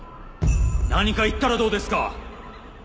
何か言ったらどうですか